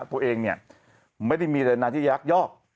ตัวเองไม่ได้มีรัฐนาธิยักษ์ยอก